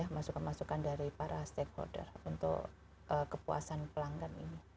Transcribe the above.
masukan masukan dari para stakeholder untuk kepuasan pelanggan ini